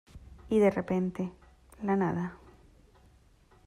y, de repente , la nada ,